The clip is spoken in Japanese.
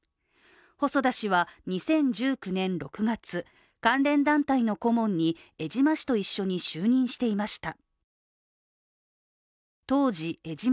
細田氏は２０１９年６月、関連団体の顧問に江島氏と一緒に就任していました。